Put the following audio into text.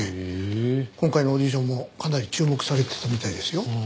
今回のオーディションもかなり注目されてたみたいですよ。